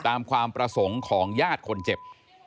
ตามความประสงค์ของญาติคนเจ็บ